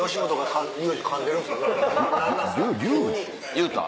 言うた？